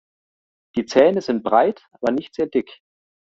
Die Zähne sind breit, aber nicht sehr dick.